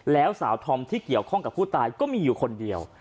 แล้วสาวธอมที่เกี่ยวข้องกับผู้ตายก็มีอยู่คนเดียว